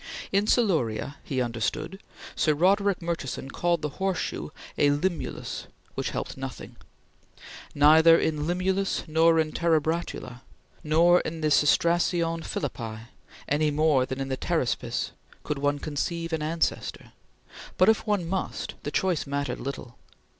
In Siluria, he understood, Sir Roderick Murchison called the horseshoe a Limulus, which helped nothing. Neither in the Limulus nor in the Terebratula, nor in the Cestracion Philippi, any more than in the Pteraspis, could one conceive an ancestor, but, if one must, the choice mattered little.